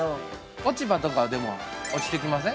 ◆落ち葉とか、でも落ちてきません？